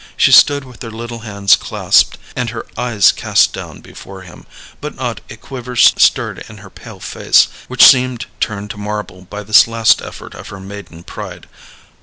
She stood with her little hands clasped, and her eyes cast down before him, but not a quiver stirred her pale face, which seemed turned to marble by this last effort of her maiden pride.